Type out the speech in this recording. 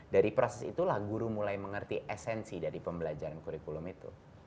dari proses itulah guru mulai mengerti esensi dari pembelajaran kurikulum itu